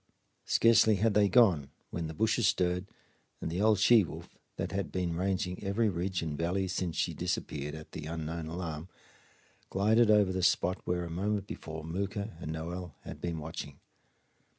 Scarcely had they gone when the bushes stirred and the old she wolf, that had been ranging every ridge and valley since she disappeared at the unknown alarm, glided over the spot where a moment before Mooka and Noel had been watching.